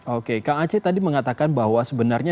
oke kang aceh tadi mengatakan bahwa sebenarnya